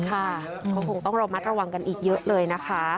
ค่ะก็คงต้องระมัดระวังกันอีกเยอะเลยนะคะ